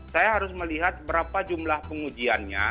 saya harus melihat berapa jumlah pengujiannya